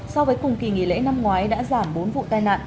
so với cùng kỳ nghỉ lễ năm ngoái đã giảm bốn vụ tai nạn